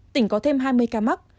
tỉnh có thêm hai mươi ca mắc